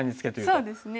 そうですね。